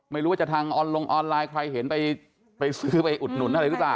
ไม่รู้ว่าจะทางออนลงออนไลน์ใครเห็นไปซื้อไปอุดหนุนอะไรหรือเปล่า